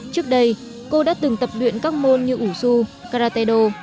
trước đây cô đã từng tập luyện các môn như ủ su karate đô